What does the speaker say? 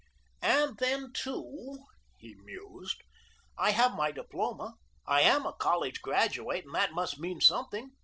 "And then, too," he mused, "I have my diploma. I am a college graduate, and that must mean something.